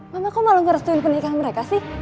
mama kok malah merestuin pernikahan mereka sih